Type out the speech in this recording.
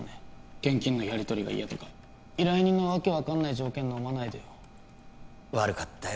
現金のやりとりが嫌とか依頼人の訳分かんない条件のまないでよ悪かったよ